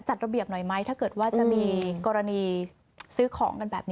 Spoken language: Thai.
จัดระเบียบหน่อยไหมถ้าเกิดว่าจะมีกรณีซื้อของกันแบบนี้